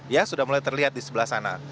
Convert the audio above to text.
ya sudah mulai terlihat di sebelah sana